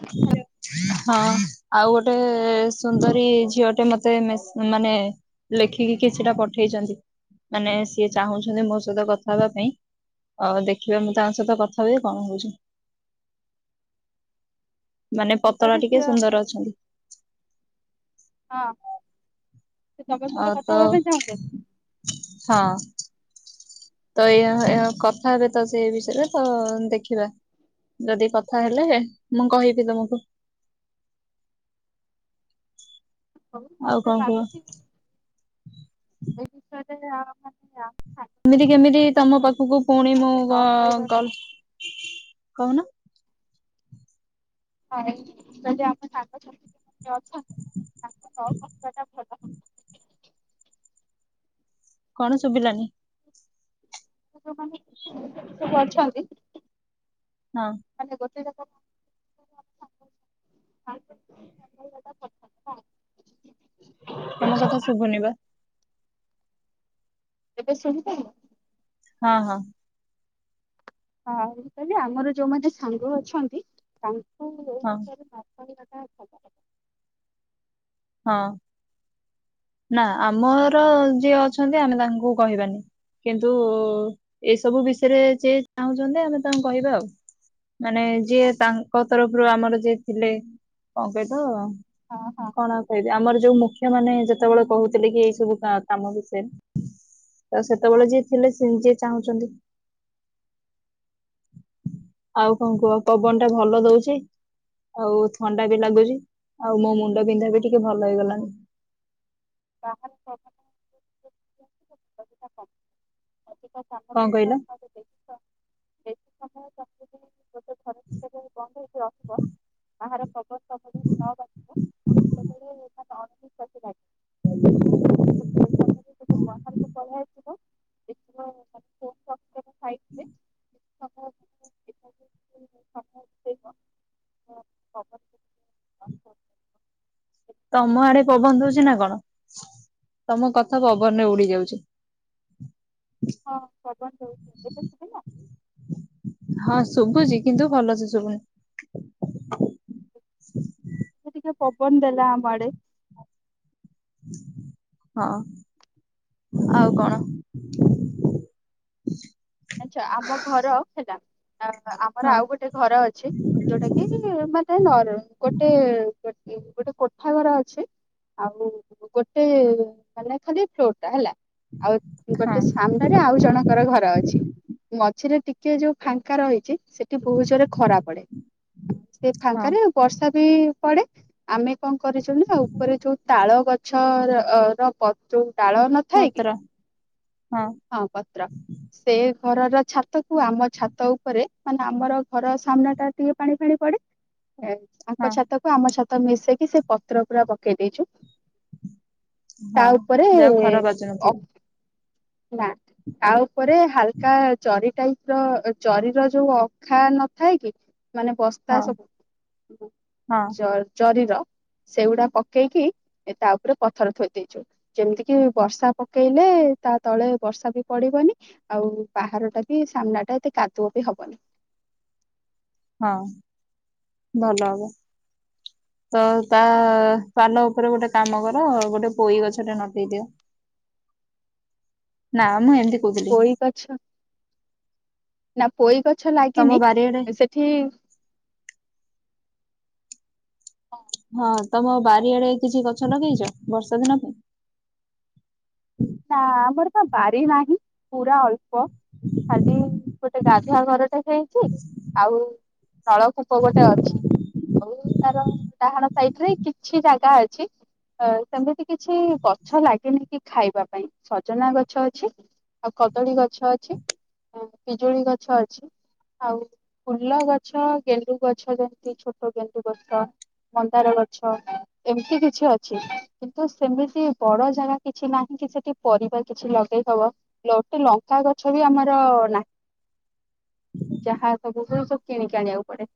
[unintelligible] ହଁ ଆଉ ଗୋଟେ ସୁନ୍ଦରୀ ଝିଅଟେ ମତେ ମେସ୍ ମାନେ ଲେଖିକି କିଛିଟା ପଠେଇଛନ୍ତି ମାନେ ସିଏ ଚାହୁଁଛନ୍ତି ମୋ ସହିତ କଥା ହେବା ପାଇଁ। ହଉ ଦେଖିବା ମୁଁ ତାଙ୍କ ସହିତ କଥା ହୁଏ କଣ ହଉଚି। ମାନେ ପତଳା ସୁନ୍ଦରୀ ଟିକେ ଝିଅ ସୁନ୍ଦର ଅଛନ୍ତି। ହଁ। ସେ ତମ ସହିତ ଆଉ କଥା ତ ହେବା ପାଇଁ ଚାହୁଁଛନ୍ତି। ହଁ। ତ ଏୟା ଏହା କଥା ହେବେ ତ ସେ ଏ ବିଷୟରେ ତ ଦେଖିବା। ଯଦି କଥା ହେଲେ ମୁଁ କହିବି ତୁମକୁ। ହଁ ଆଉ ମତେ କଣ କୁହ ଲାଗୁଚି ଏ ବିଷୟରେ ଆ [unintelligible] ଏମିତି କେମିତି ଯେମିତି ତମ ଅଛନ୍ତି। ପାଖକୁ ପୁଣି ମୁଁ ତାକୁ ଗ ନ କହିବାଟା କଲ୍ କହୁନ? ହଁ ଏଇ ଯଦି ଆପଣ ସାଙ୍ଗସାଥି କିଏ ଅଛନ୍ତି ତାଙ୍କୁ ନ କହିବା ଟା ଭଲ। ହ କଣ ଶୁଭିଲାନି? ଯୋଉମାନେ ସେ କରିଛନ୍ତି ହଁ ମାନେ ଗୋଟେ [unintelligible] ତମ କଥା ଶୁଭୁନି ବା। ଏବେ ଶୁଭୁ [unintelligible] ହଁ ହଁ ହଉ କହିଲି ଆମର ଯୋଉମାନେ ସାଙ୍ଗ ଅଛନ୍ତି। ତାଙ୍କୁ ଏ ହଁ ବିଷୟରେ [unintelligible] ହଁ। ନା ଆମର ଯିଏ ଅଛନ୍ତି ଆମେ ତାଙ୍କୁ କହିବାନି। କିନ୍ତୁ ଏସବୁ ବିଷୟରେ ଜିଏ ଚାହୁଁଛନ୍ତି ଆମେ ତାଙ୍କୁ କହିବା ଆଉ। ମାନେ ହଁ ଯିଏ ତାଙ୍କ ତରଫରୁ ଆମର ଯିଏ ଥିଲେ କଣ କହିଲ ହଁ ହଁ। କଣ ଆମର ଯୋଉ ମୁଖ୍ୟ ମାନେ ଯେତେବେଳେ କହୁଥିଲେ କି ଏଇ ସବୁ କାମ ବିଷୟରେ ତ ସେତେବେଳେ ଯିଏ ଥିଲେ ସେ ଯିଏ ଚାହୁଁଛନ୍ତି। ଆଉ କଣ କୁହ? ପବନ ଟା ଭଲ ଦଉଛି। ଆଉ ଥଣ୍ଡା ବି ଲାଗୁଛି ଆଉ ମୋ ମୁଣ୍ଡ ବିନ୍ଧା ବି ଟିକେ ଭଲ ହେଇଗଲାଣିି। [unintelligible] କଣ କହିଲ? ବୀ ବେଶୀ ସମୟ ଗୋଟେ ଘର ଭିତରେ ବନ୍ଦ ହେଇକି ରହିବ? [unintelligible] ସେଇ ସମୟରେ ଟିକେ ବାହାରକୁ [inaudible] ପଳେଇ ଆସିବ ଦେଖିବ ମାନେ ଫୋନ ରଖିଦେବ ହୁଁ [inaudible] [unintelligible] [unintelligible] ତମ ଆଡେ ପବନ ଦଉଛି ନା କଣ? ତମ କଥା ପବନରେ ଉଡି ଯାଉଛି। [inaudible] ହଁ ପବନ ଦଉଛି। ଏବେ ଶୁଭିଲା ହଁ, ଶୁଭୁଛି କିନ୍ତୁ ଭଲସେ ଶୁଭୁନି। ସେ ଟିକେ ପବନ ଦେଲା ଆମ ଆଡେ। ହଁ ଆଉ କଣ? ଆଚ୍ଛା ଆମ ଘର ହେଲା ଆମର ହଁ ଆଉ ଗୋଟେ ଘର ଅଛି ଯୋଉଟା କି ମା ନ [unintelligible] ଗୋଟେ ଗୋଟେ କୋଠା ଘର ଅଛି ଆଉ ଗୋଟେ ମାନେ ଖାଲି ଫ୍ଲୋର ଟା ହେଲା। ଆଉ ହଁ ଗୋଟେ ସାମ୍ନାରେ ଆଉ ଜଣଙ୍କର ଘର ଅଛି। ମଝିରେ ଟିକେ ଯୋଉ ଫାଙ୍କା ରହିଛି ସେ ସେଠି ବହୁତ ଜୋରେ ଖରା ପଡେ। ସେ ହଁ ଫାଙ୍କାରେ ବର୍ଷା ବି ପଡେ। ଆମେ କଣ କରିଛୁ ନା ଉପରେ ଯୋଉ ତାଳ ଗଛ ର ପ ଯୋଉ ଡାଳ ନ ପତ୍ର ହଁ, ପତ୍ର। ସେ ଘରର ଛାତକୁ ଆମ ଛାତ ଉପରେ ମାନେ ଆମର ଘର ସାମ୍ନା ଟାରେ ଟିକେ ପାଣି ଫାଣି ପଡେ ତାଙ୍କ ହଁ ଛାତକୁ ଆମ ଛାତ ମିଶେଇକି ସେ ପତ୍ର ପୁରା ପକେଇ ଦେଇଛୁ। ତା ହଁ ଉପରେ ଯାଉ ଖରା ଅ ବାଜୁନଥିବ ନାଁ ତା ଉପରେ ହାଲକା ଚରିଟାଇ ର ଚରୀର ଯୋଉ ଅଖା ନଥାଏ କି ମାନେ ବସ ତା ହଁ ହଁ ସବୁ ଜ ଜରିର ସେଗୁଡା ପକେଇକି ଏ ତା ଉପରେ ପଥର ଥୋଇ ଦେଇଚୁ। ଯେମିତି କିି ବର୍ଷା ପକେଇଲେ ତା ତଳେ ବର୍ଷା ବି ପଡିବନି ଆଉ ବାହାରଟା ବି ସାମ୍ନା ଟା ଏତେ କାଦୁଅ ବି ହବନି। ହଁ ଭଲ ହବ। ତ ତା ପାଲ ଉପରେ ଗୋଟେ କାମ କର ଗୋଟେ ପୋଇ ଗଛ ଟେ ନଟେଇ ଦିଅ। ନା ମୁଁ ଏମିତି କହୁଥିଲି। ଇ ଗଛ ନା ପୋଇ ଗଛ ତମ ଲାଗିନି। ବାରିଆଡେ ସେଠି ହଁ ତମ ବାରିଆଡେ କିଛି ଗଛ ଲଗେଇଛ ବର୍ଷା ଦିନ ପାଇଁ? ନାଁ ଆମର ବା ବାରି ନାହିଁ ପୁରା ଅଳ୍ପ ଖାଲି ଗୋଟେ ଗାଧୁଆ ଘରଟେ ହେଇଛି। ଆଉ ନଳକୂପ ଗୋଟେ ଅଛି। ଆଉ ତାର ଡାହାଣ ସାଇଟ୍ ରେ କିଛି ଜାଗା ଅଛି। ଅ ସେମିତି କିଛି ଗଛ ଲାଗେନି କି ଖାଇବା ବା ପାଇଁ ସଜନା ଗଛ ଅଛି ଆଉ କଦଳୀ ଗଛ ଅଛି। ପିଜୁଳି ଗଛ ଅଛି। ଆଉ ଫୁଲ ଗଛ ଗେଣ୍ଡୁ ଗଛ ଯେମିତି ଛୋଟ ଗେଣ୍ଡୁ ଗଛ ମନ୍ଦାର ଗଛ ଏମିତି କିଛି ଅଛି କିନ୍ତୁ ସେମିତି ବଡ ଜାଗା କିଛି ନାହିଁ କି ସେ କି ପରିବା କିଛି ଲଗେଇହବ ଗୋଟେ ଲଣ୍ଟି ଲଙ୍କା ଗଛ ବି ଆମର ନାହିଁ। ଯାହା ସବୁ ଯିନିସ କିଣିକି ଆଣିବାକୁ ପଡେ।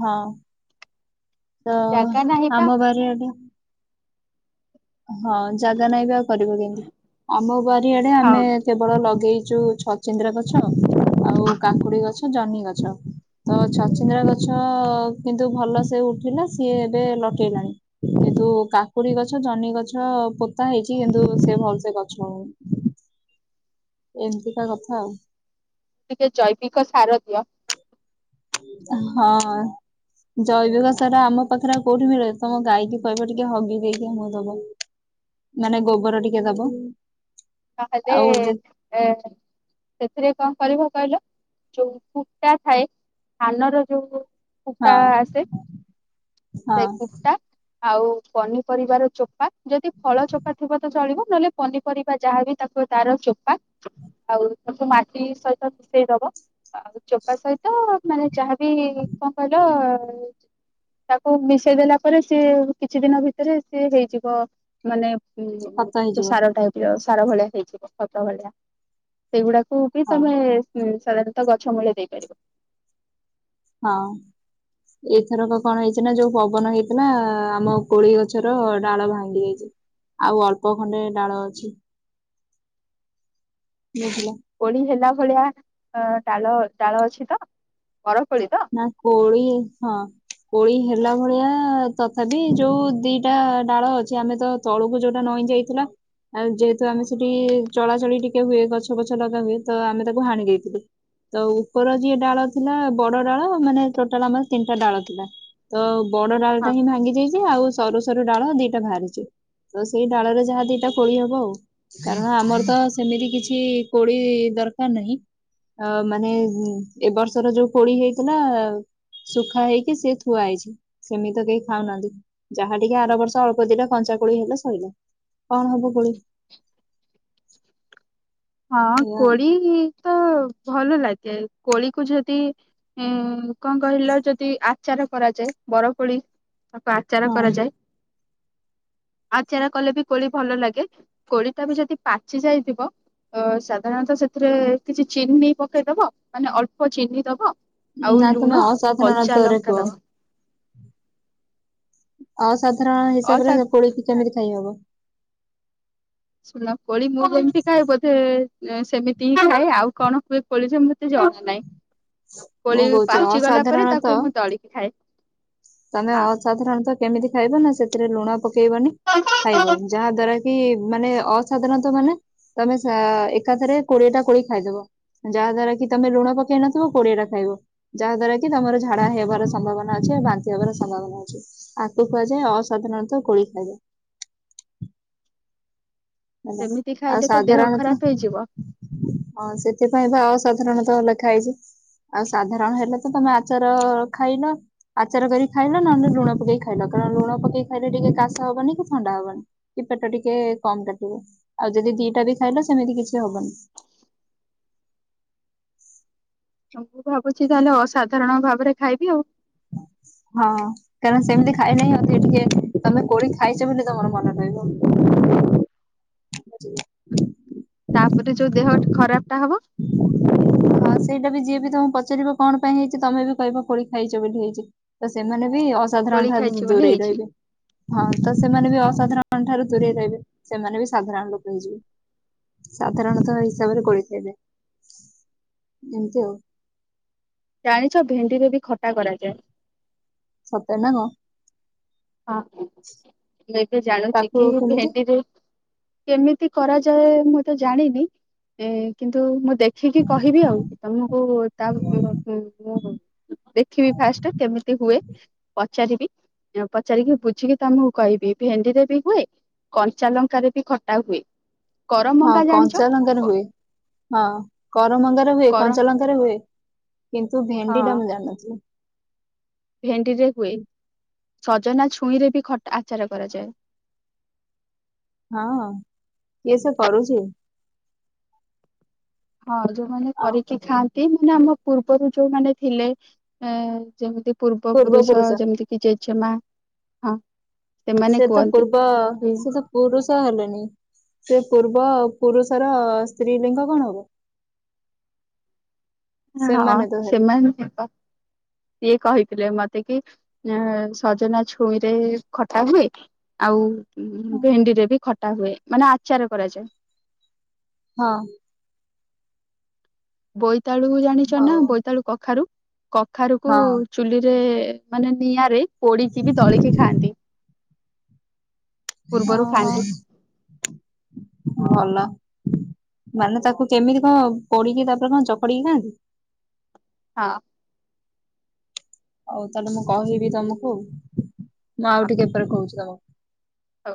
ହଁ ତ ଜାଗା ନାହିଁ ପା ଆମ ବାରିଆଡେ ହଁ ଜାଗା ନାଇଁ ବି ଆଉ କରିବ କେମତି। ଆମ ବାରିଆଡେ ଆମେ ହଁ ବଳ ଲଗେଇଛଚୁ ଛଚିନ୍ଦ୍ରା ଗଛ ଆଉ କାକୁଡି ଗଛ ଜହ୍ନି ଗଛ। ତ ଛଚିନ୍ଦ୍ରା ଗଛ କିନ୍ତୁ ଭଲ ସେ ଉଠିଲା ସିଏ ଏବେ ଲଟେଇଲାଣି। କିନ୍ତୁ କାକୁଡି ଗଛ ଜହ୍ନି ଗଛ ପୋତା ହେଇଛି କିନ୍ତୁ ସେ ଭଲ ସେ ଗଛ ହଉନି। ଏମତିକା କଥା ଆଉ। ଟିକେ ଜୈବିକ ସାର ଦିଅ। ହଁ ଜୈବିକ ସାରା ଆମ ପାଖରେ କୋଉଠି ମିଳିବ ତମ ଗାଈକି କହିବ ଟିକେ ହସି ଦେଇକି ଆମକୁ ଦବ। ମାନେ ଗୋବର ଟିକେ ଦବ। ତାହେଲେ ଆଉ ଯେ ଏ ସେଥିରେ କଣ କରିବ କହିଲ ଯୋଉ କୁଟା ଥାଏ ଧାନର ଯୋଉ କୁ କୁଟା ହଁ ଆସ ହଁ ସେ କୁଟା ଆଉ ପନିପରିବାର ଚୋପା ଯଦି ଫଳ ଚୋପା ଥିବ ତ ଚଳିବ ନହେଲେ ପନିପରିବା ବା ଯାହାବି ତାକୁ ତାର ଚୋପା ଆଉ ତାକୁ ମାଟି ସହିତ ମିଶେଇ ଦବ। ଆଉ ଚୋପା ସହିତ ମାନେ ଯାହାବି କଣ କହିଲ ତାକୁ ମିଶେଇ ଦେଲା ପରେ ସିଏ କିଛି ଦିନ ଭିତରେ ସିଏ ହେଇଯିବ ମାନେ ଖତ ଉଁ ହେଇଯିବ ସାର ଟାଇପ ର ସାର ଭଳିଆ ହେଇଯିବ ଖତ ଭଳିଆ। ସେଇଗୁଡାକୁ ବି ହଁ ତମେ ସାଧାରଣତଃ ଗଛ ମୂଳେ ଦେଇପାରିବ। ହଁ ଏଥରକ କଣ ହେଇଛି ନା ଯୋଉ ପବନ ହେଇଥିଲା ଆମ କୋଳି ଗଛର ଡାଳ ଭାଙ୍ଗି ଯାଇଛି। ଆଉ ଅଳ୍ପ ଖଣ୍ଡେ ଡାଳ ଅଛି। ବୁଝିଲ? ପୋଳି ହେଲା ଭଳିଆ ଅ ଡାଳ ଡାଳ ଅଛି ତ ବରପୋଳି ତ ନା କୋଳି ହଁ। କୋଳି ହେଲା ଭଳିଆ ତଥାପି ଯୋଉ ଦିଟା ଡାଳ ଅଛି ଆମେ ତ ତଳୁକୁ ଯୋଉଟା ନଇଁ ଯାଇଥିଲା। ଆଉ ଯେହେତୁ ଆମେ ସେଠି ଚଳାଚଳି ଟିକେ ହୁଏ ଗଛ ଗଛ ଲଗା ହୁଏ ତ ଆମେ ତାକୁ ହାଣି ଦେଇଥିଲୁ। ତ ଉପର ଯିଏ ଡାଳ ଥିଲା ବଡ। ଡାଳ ମାନେ ଟୋଟାଲ ଆମର ତିନିଟା ଡା ଥିଲା ତ ବଡ ଡାଳ ହଁ ଟା ହିଁ ଭାଙ୍ଗି ଯାଇଛି ଆଉ ସରୁ ସରୁ ଡାଳ ଦିଟା ବାହାରିଛି ତ ସେଇ ଡାଳରେ ଯାହା ଦିଟା ଖୋଳି ହବ ଆଉ କାରଣ ଆମର ତ ସେମିତି କିଛି କୋଳି ଦରକାର ନାହିଁ। ଅ ମାନେ ଏବ ବର୍ଷର ଯୋଉ ପୋଳି ହେଇ ନା ଶୁଖା ହେଇକି ସେ ଥୁଆ ହେଇଛି। ସେମି ତ କେହି ଖାଉନାହାନ୍ତି ଯାହା ଟିକେ ଆର ବର୍ଷ ଅଳ୍ପ ଦିିନରେ କଞ୍ଚା କୋଳି ହେଲେ ସଇଲା। କଣ ହବ କୋଳି। ହଁ ଏଇଆ ଆଉ। କୋଳି ତ ଭଲ ଲାଗେ କୋଳି କୁ ଯଦି ହୁଁ କଣ କହିଲ ଯଦି ଆଚାର କରାଯାଏ ବର କୋଳି ତାକୁ ଆଚାର ହଁ କରାଯାଏ। ଆଉ ଚେରା କଲେ ବି କୋଳି ଭଲ ଲାଗେ କୋଳିଟା ବି ଯଦି ପାଚି ଯାଇଥିବ। ଅ ସାଧାରଣତଃ ସେଥିରେ କିଛି ଚିନି ନେଇ ପକେଇଦବ ମାନେ ଅଳ୍ପ ଚିନି ଦବ। ଆଉ ନା ତମେ ଲୁଣ, କଞ୍ଚା ଅସାଧାରଣତ୍ଵରେ ଲଙ୍କା କୁହ ଦବା। ଅସାଧାରଣ ହିସାବ ଅସା ରେ କୋଳିକି କେମିତି ଥାଇ ହବ? ଶୁଣ କୋଳି ମୁଁ ଯେମିତି ଖାଏ ବୋଧେ ସେମିତି ହିଁ ଖାଏ ଆଉ କଣ କୁହେ କୋଳି ଯେ ମତେ ଜଣା ନାହିଁ। ମୁଁ କହୁଛି ଅସାଧାରଣତଃ ତଳିକି ଖା। ଏ ତମେ ଅସାଧାରଣତଃ କେମିତି ଖାଇବ ନା ସେଥିରେ ଲୁଣ ପକେଇବନି ହଁ। ଖାଇବ ଯାହା ଦ୍ଵାରା କି ମାନେ ଅସାଧାରଣତଃ ମାନେ ତମେ ଏକାଥରେ କୋଡିଏ ଟା କୋଳି ଖାଇଦବ। ଯାହା ଦ୍ୱାରା କି ତମେ ଲୁଣ ପକେଇ ନଥିବ କୋଡିଆଟ ଖାଇବ ଯାହା ଦ୍ୱାରା କି କି ତମର ଝାଡା ହେବାର ସମ୍ଭାବନା ଅଛି। ବାନ୍ତି ହବାର ସମ୍ଭାବନା ଅଛି ଆଖୁ କୁହାଯାଏ ଅସାଧାରଣତଃ କୋଳି ଖାଇଯାଏ। ହେଲା ସେମିତି ଆଉ ଖାଇଲେ ତ ଦେହ ସାଧାରଣ ତ ଖରାପ ହେଇଯିବ ହଁ ସେଥିପାଇଁ ବା ଅସାଧାରଣତଃ ଲେଖା ହେଇଛି। ଆଉ ସାଧାରଣ ହେଲେ ତ ତମେ ଆଚାର ଖାଇଲ। ଆଚାର କରି ଖାଇଲ ନହେଲେ ଲୁଣ ପକେଇ ଖାଇଲ କାରଣ ଲୁଣ ପକେଇ ଖାଇଲେ ଟିକେ କାଶ ହବନି କି ଥଣ୍ଡା ହବନି‌। କି ପେଟ ଟିକେ କମ କାଟିବ ଆଉ ଯଦି ଦିଟା ବି ଖାଇଲ ସେମିତି କିଛି ହବନି। ମୁଁ ଭାବୁଛି ତାହେଲେ ଅସାଧାରଣ ଭାବରେ ଖାଇବି ଆଉ। ହଁ କାରଣ ସେମିତି ଖାଇନାହିଁ ଅଧିକ ଟିକେ ତମେ କୋଠି ଖାଇଛ ବୋଲି ତମର ମନେ ରହିବ। ତାପରେ ଯୋଉ ଦେହ ଖରାପ ଟା ହବ! ହଁ ସେଇଟା ବି ଯିଏ ବି ତମକୁ ପଚାରିବ କଣ ପାଇଁ ହେଇଛି ତମେ ବି କହିବ କୋଳି ଖାଇଛ ବୋଲି ହେଇଛି। ତ ସେମାନେ ବି କୋଳି ଅସାଧାରଣ ଖାଇଛି ଠାରୁ ବୋଲି ଦୂରେଇ ହେଇଛି ରହିବେ। ହଁ ତ ସେମାନେ ବି ଅସାଧାରଣ ଠାରୁ ଦୂରେଇ ରହିବେ ସେମାନେ ବି ସାଧାରଣ ଲୋକ ହେଇଯିବେ। ସାଧାରଣତଃ ହିସାବରେ କୋଳିଖାଇବେ। ଏମିତି ଆଉ। ଜାଣିଛ ଭେଣ୍ଡିରେ ବି ଖଟା କରାଯାଏ। ସତେ ନା କଣ? ହଁ ବ ଜାଣୁଛି ତାକୁ କି କି କେମିତି ହେଡି ର କେମିତି କରାଯାଏ ମୁଁ ତ ଜାଣିନି। ଏ କିନ୍ତୁ ମୁଁ ଦେଖିକି କହିବି ଆଉ ତମକୁ ତା ମୁଁ ଦେଖିବି ଫାଷ୍ଟେ କେମିତି ହୁଏ ପଚାରିବି। ପଚାରିକି ବୁଝିକି ତମକୁ କହିବି ଭେଣ୍ଡିରେ ବି ହୁଏ କଞ୍ଚା ଲଙ୍କାରେ ବି ଖଟା ହୁଏ। ହଁ କରମଙ୍ଗା ଜାଣିଛ କଞ୍ଚା ଲଙ୍କାରେ ହୁଏ ହଁ କରମଙ୍ଗାରେ ହୁଏ କର କଞ୍ଚା ଲଙ୍କାରେ ହୁଏ। କିନ୍ତୁ ହଁ ଭେଣ୍ଡି ଟା ମୁଁ ଜାଣି ନଥିଲି। ଭେଣ୍ଡି ରେ ହୁଏ ସଜନା ଛୁଇଁରେ ବି ଖଟ ଆଚାର କରାଯାଏ। ହଁ କିଏ ସବ କରୁଛି? ହଁ ଯୋଉମାନେ ଆଉ କରିକି ଖାଆନ୍ତି ମାନେ ଆମ ପୂର୍ବରୁ ଯୋଉମାନେ ଥିଲେ। ଏ ଯେମିତି ପୂର୍ବ ପୁରୁଷ ଯେମିତି କିି ଜେଜେମା ହଁ। ସେମାନେ ସେ ତ କୁହନ୍ତି ପୂର୍ବ ସେ ତ ପୁରୁଷ ହେଲେଣିି। ସେ ପୂର୍ବ ପୁରୁଷର ସ୍ତ୍ରୀ ଲିଙ୍ଗ କଣ ହବ? ହଁ ସେମାନେ ତ ହେଲେ ସେମାନ [unintelligible] ସିଏ କହିଥିଲେ ମତେ କି ସଜନା ଛୁଇଁରେ ଖଟା ହୁଏ। ଆଉ ହଁ ଭେଣ୍ଡିରେ ବି ଖଟା ହୁଏ ମାନେ ଆଚାର କରାଯାଏ। ହଁ। ବୋଇତାଳୁ ଜାଣିଛ ହଉ ନା ବୋଇତାଳୁ କଖାରୁ କଖାରୁ କୋ। ହଁ ଚୁଲିରେ ମାନେ ନିଆଁରେ ପୋଡିକି ବି ଦଳିକି ଖାଆନ୍ତି। ଅ ପୂର୍ବରୁ ହ। ଖାଆନ୍ତି ଭଲ ମାନେ ତାକୁ କେମିତି କଣ ପୋଡିକି ତାପରେ କଣ ଚକଡିକି ଖଆନ୍ତି। ହଁ। ହଉ ତାହେଲେ ମୁଁ କହିବି ତମକୁ ମୁଁ ଆଉ ହଉ ଟିକେ ପରେ କହୁଛି ତମକୁ। ହଉ।